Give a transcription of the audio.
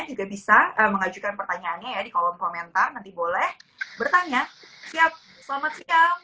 juga bisa mengajukan pertanyaannya ya di kolom komentar nanti boleh bertanya siap selamat siang